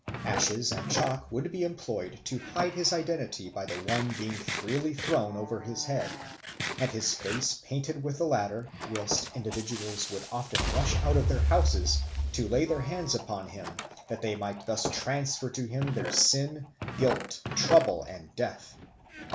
Ashes and chalk would be employed to hide his identity by the one being freely thrown over his head, and his face painted with the latter, whilst individuals would often rush out of their houses to lay their hands upon him that they might thus transfer to him their sin, guilt, trouble, and death."